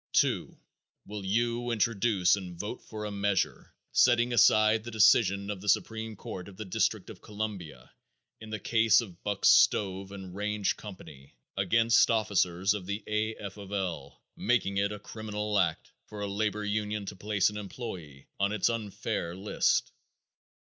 2. Will you introduce and vote for a measure setting aside the decision of the supreme court of the District of Columbia in the case of Buck Stove and Range Company against officers of the A. F. of L., making it a criminal act for a labor union to place an employer on its unfair list?